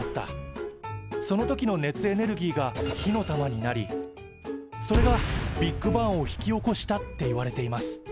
その時の熱エネルギーが火の玉になりそれがビッグバンを引き起こしたっていわれています。